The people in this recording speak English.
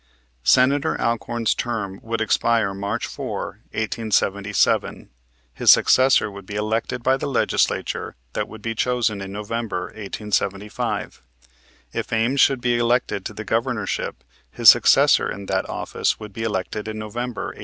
Senator Alcorn's term would expire March 4, 1877. His successor would be elected by the Legislature that would be chosen in November, 1875. If Ames should be elected to the Governorship his successor in that office would be elected in November, 1877.